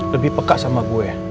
lebih peka sama gue